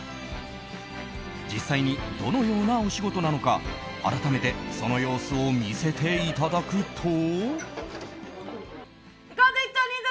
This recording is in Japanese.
実際にどのようなお仕事なのか改めてその様子を見せていただくと。